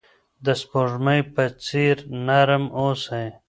د سپوږمۍ په څیر نرم اوسئ.